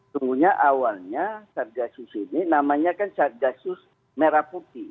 sebetulnya awalnya satgas sus ini namanya kan satgas sus merah putih